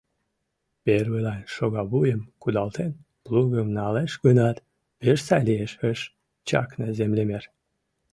— Первыйлан шогавуйым кудалтен, плугым налеш гынат, пеш сай лиеш, — ыш чакне землемер.